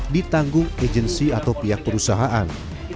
ditanggung agensi atau pihak perusahaan